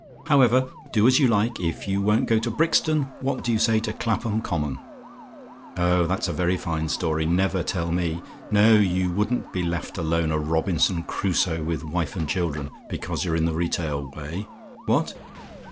"However, do as you like. If you won't go to Brixton, what do you say to Clapham Common? Oh, that's a very fine story! Never tell me! No; you wouldn't be left alone, a Robinson Crusoe with wife and children, because you're in the retail way. What?